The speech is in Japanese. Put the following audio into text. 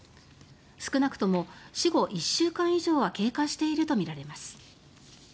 少なくとも死後１週間以上は経過しているとみられます。